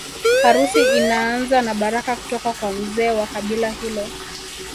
Harusi inaanza na baraka kutoka kwa mzee wa kabila hilo